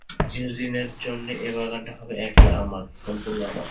কিছুদিনের জন্যে এ বাগানটা হবে একলা আমার, সম্পূর্ণ আমার।